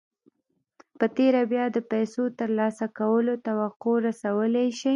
په تېره بیا د پیسو ترلاسه کولو توقع رسولای شئ